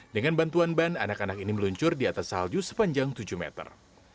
dengan bantuan ban anak anak ini meluncur di atas salju sepanjang tujuh meter